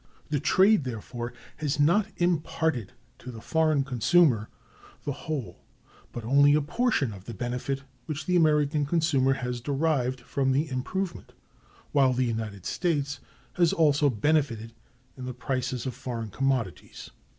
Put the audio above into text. The trade, therefore, has not imparted to the foreign consumer the whole, but only a portion, of the benefit which the American consumer has derived from the improvement; while the United States has also benefited in the prices of foreign commodities.